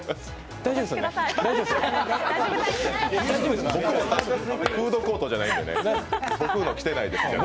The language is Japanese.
大丈夫ですよね？